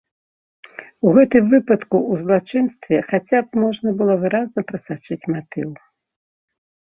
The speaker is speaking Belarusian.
У гэтым выпадку ў злачынстве хаця б можна было выразна прасачыць матыў.